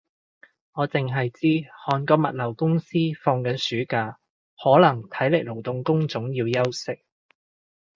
我剩係知韓國物流公司放緊暑假，可能體力勞動工種要休息